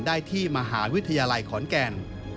ได้ที่มหาวิทยาลัยขอนแก่น